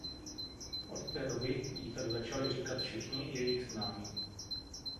Od té doby jí tak začali říkat všichni jejich známí.